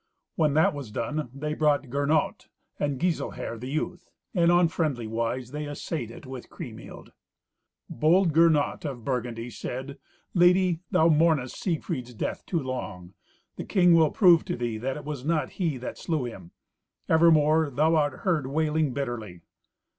When that was done, they brought Gernot, and Giselher the youth. And on friendly wise they essayed it with Kriemhild. Bold Gernot of Burgundy said, "Lady, thou mournest Siegfried's death too long. The king will prove to thee that it was not he that slew him. Evermore thou art heard wailing bitterly."